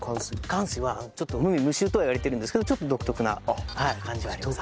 かんすいは無味無臭とは言われてるんですけどちょっと独特な感じはあります。